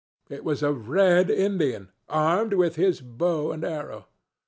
It was a red Indian armed with his bow and arrow.